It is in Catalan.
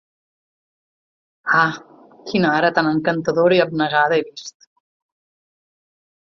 Ah, quina ara tan encantadora i abnegada he vist!